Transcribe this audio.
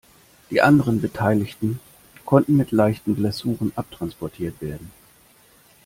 Die andere Beteiligte konnte mit leichten Blessuren abtransportiert werden.